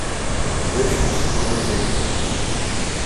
D acu-tt twaɣit-agi?